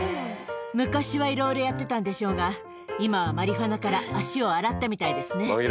昔はいろいろやってたんでしょうが、今はマリファナから足を洗ったみたいですね。